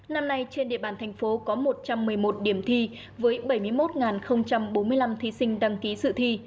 năm nay trên địa bàn thành phố có một trăm một mươi một điểm thi với bảy mươi một bốn mươi năm thí sinh đăng ký sự thi